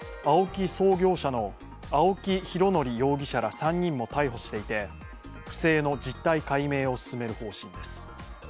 創業者の青木拡憲容疑者ら３人も逮捕していて不正の実態解明を進める方針です。